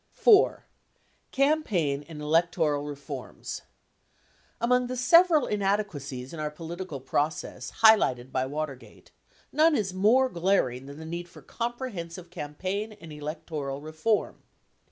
IV. Campaign and electoral reforms. Among the several inadequacies in our political process highlighted by Watergate, none is more glaring than the need for comprehensive campaign and electoral reform.